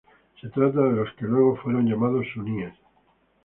Se trata de los que luego fueron llamados suníes.